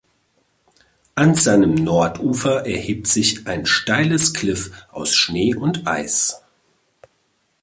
An seinem Nordufer erhebt sich ein steiles Kliff aus Schnee und Eis.